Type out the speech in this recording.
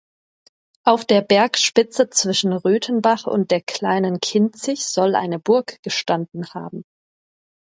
Auf der Bergspitze zwischen Rötenbach und der Kleinen Kinzig soll eine Burg gestanden haben.